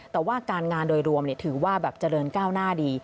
แต่ว่าการงานโดยรวมถือว่าแบบเจริญก้าวหน้าดี